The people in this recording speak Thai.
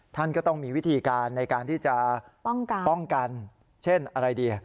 ท่านก็ต้องมีวิธีการในการที่จะป้องกันเช่นอะไรดี